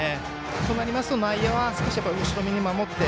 となりますと、内野は少し後ろめに守って。